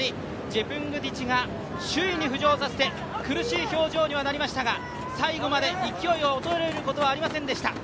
ジェプングティチが首位に浮上させて、苦しい表情にはなりましたが最後まで勢いは衰えることはありませんでした。